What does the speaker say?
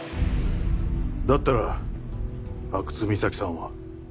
だったら阿久津実咲さんは？